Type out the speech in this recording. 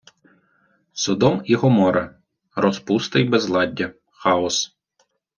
Содом і Гоморра — розпуста і безладдя, хаос